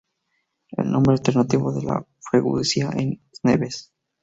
El nombre alternativo de la freguesia es Neves.